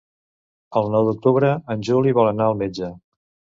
El nou d'octubre en Juli vol anar al metge.